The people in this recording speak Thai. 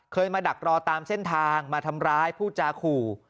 มาดักรอตามเส้นทางมาทำร้ายผู้จาขู่